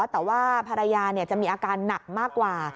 แต่ว่าภรรยาจะมีอาการหนักมากกว่า